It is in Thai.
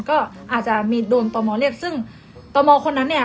ก็อาจจะมีโดนต่อมอเรียกซึ่งตมคนนั้นเนี่ย